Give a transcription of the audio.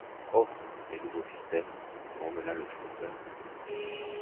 Oh ! les nouveaux systèmes …» grommela le frotteur.